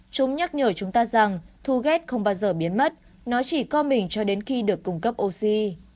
chúng nhắc nhở chúng ta rằng thu ghét không bao giờ biến mất nó chỉ coi mình cho đến khi được cung cấp oxy